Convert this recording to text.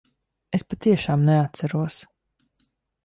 Es patiešām neatceros.